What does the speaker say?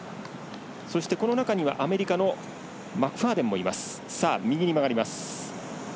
この中にはアメリカのマクファーデンもいます。